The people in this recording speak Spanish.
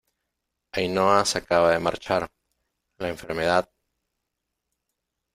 Ainhoa se acaba de marchar, la enfermedad...